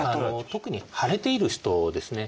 特に腫れている人ですね。